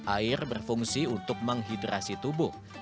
air berfungsi untuk menghidrasi tubuh